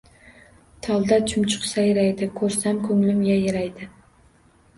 Tolda chumchuq sayraydi, ko‘rsam ko‘nglim yayraydi...